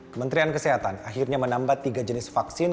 kementerian kesehatan akhirnya menambah tiga jenis vaksin